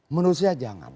menurut saya jangan